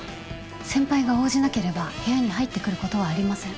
先輩が応じなければ部屋に入ってくることはありません。